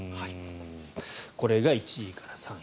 これが１位から３位。